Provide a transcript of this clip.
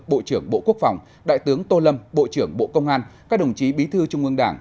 bộ trưởng bộ quốc phòng đại tướng tô lâm bộ trưởng bộ công an các đồng chí bí thư trung ương đảng